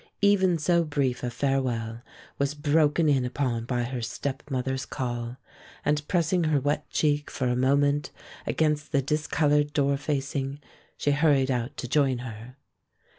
Even so brief a farewell was broken in upon by her stepmother's call, and pressing her wet cheek for a moment against the discolored door facing, she hurried out to join her.